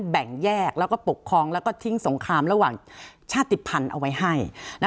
แบ่งแยกแล้วก็ปกครองแล้วก็ทิ้งสงครามระหว่างชาติภัณฑ์เอาไว้ให้